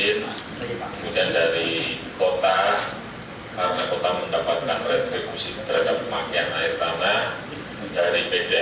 kemudian dari kota karena kota mendapatkan retribusi terhadap pemakianan